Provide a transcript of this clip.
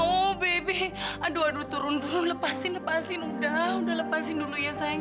oh bebek aduh aduh turun turun lepasin lepasin udah udah lepasin dulu ya sayang